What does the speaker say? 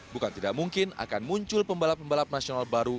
bukan tidak mungkin akan muncul pembalap pembalap nasional baru